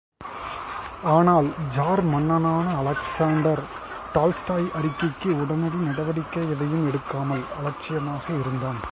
ஆனால், ஜார் மன்னனான Alexander, Tolstoy அறிக்கைக்கு உடனடி நடவடிக்கை எதையும் எடுக்காமல் அலட்சியமாக இருந்தான்.